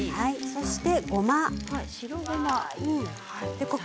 そして、ごまです。